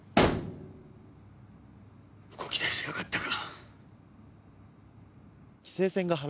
動き出しやがったか！